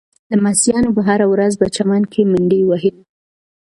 لمسیانو به هره ورځ په چمن کې منډې وهلې.